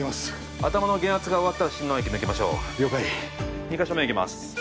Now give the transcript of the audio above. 頭の減圧が終わったら心嚢液抜きましょう了解２カ所目いきます